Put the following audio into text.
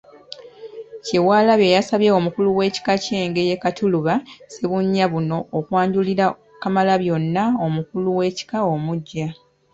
Kyewalabye yasabye omukulu w’ekika ky’Engeye Katuluba Ssebunya Bbuno, okwanjulira Kamalabyonna omukulu w’ekika omuggya.